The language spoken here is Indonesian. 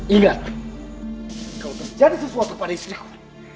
ingat kau harus jadi sesuatu pada istriku